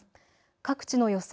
各地の予想